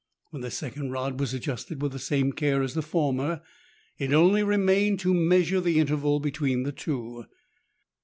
When the second rod was adjusted with the same care as the former, it only remained to measure the interval between the two.